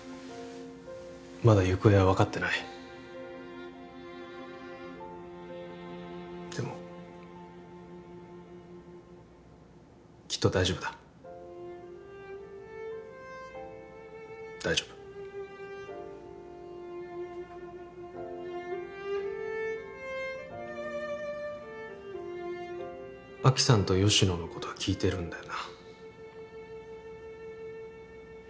まだ行方は分かってないでもきっと大丈夫だ大丈夫亜希さんと吉乃のことは聞いてるんだよな？